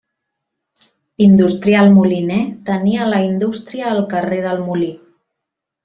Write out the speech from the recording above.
Industrial moliner, tenia la indústria al carrer del Molí.